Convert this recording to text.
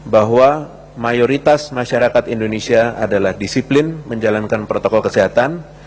bahwa mayoritas masyarakat indonesia adalah disiplin menjalankan protokol kesehatan